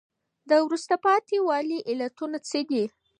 د وروسته پاتي والي علتونه څه دي؟